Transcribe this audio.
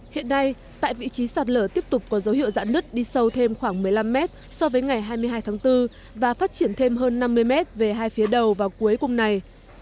hiện nay tại vị trí sạt lở tiếp tục có dấu hiệu dạn nứt đi sâu thêm khoảng một mươi năm mét so với ngày hai mươi hai tháng bốn và phát triển thêm hơn năm mươi m về hai phía đầu vào cuối cùng này